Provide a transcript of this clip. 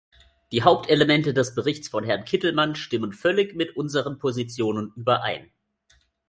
Die Hauptelemente des Berichts von Herrn Kittelmann stimmen völlig mit unseren Positionen überein.